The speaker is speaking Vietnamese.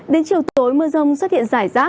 đến chiều tối mưa rông xuất hiện rải rác